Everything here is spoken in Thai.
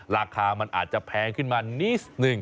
ราคามันอาจจะแพงขึ้นมานิดนึง